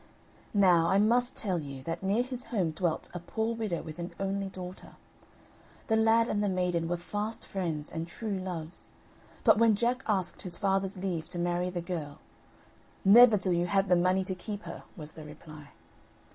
Now, I must tell you that near his home dwelt a poor widow with an only daughter. The lad and the maiden were fast friends and true loves; but when Jack asked his father's leave to marry the girl, "Never till you have the money to keep her," was the reply.